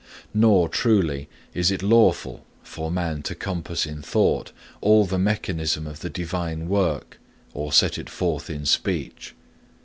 Nor, truly, is it lawful for man to compass in thought all the mechanism of the Divine work, or set it forth in speech.